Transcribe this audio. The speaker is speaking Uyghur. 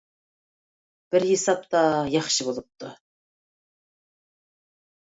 بىر ھېسابتا ياخشى بولۇپتۇ.